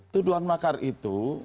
tuduhan makar itu